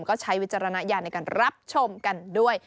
ก็ใช้วิจารณญาณในการรับชมกันด้วย